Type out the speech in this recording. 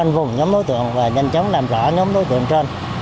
cung nhóm đối tượng và nhanh chóng làm rõ nhóm đối tượng trên